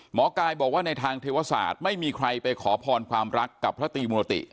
หมอกายบอกว่าในทางเทวศาสตร์ไม่มีใครไปขอพรความรักกับพระตรีมุรติ